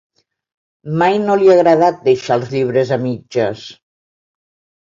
Mai no li ha agradat deixar els llibres a mitges.